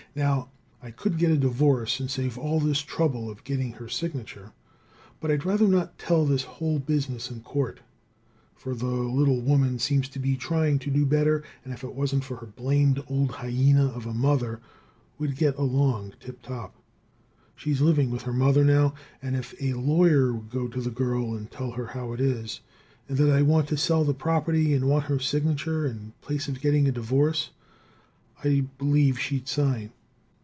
Now, I could get a divorce and save all this trouble of getting her signature, but I'd rather not tell this whole business in court, for the little woman seems to be trying to do better, and if it wasn't for her blamed old hyena of a mother, would get along tip top. She's living with her mother now and if a lawyer would go to the girl and tell her how it is, and that I want to sell the property and want her signature, in place of getting a divorce, I believe she'd sign.